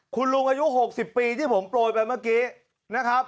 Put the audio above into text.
คุณลุงอายุหกสิบปีที่ผมโปรยไปเมื่อกี้